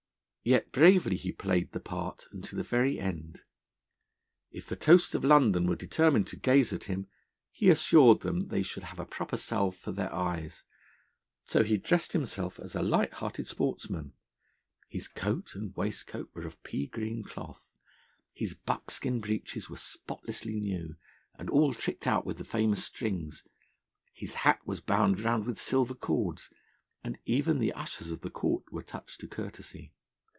Yet bravely he played the part unto the very end. If the toasts of London were determined to gaze at him, he assured them they should have a proper salve for their eyes. So he dressed himself as a light hearted sportsman. His coat and waistcoat were of pea green cloth; his buckskin breeches were spotlessly new, and all tricked out with the famous strings; his hat was bound round with silver cords; and even the ushers of the Court were touched to courtesy.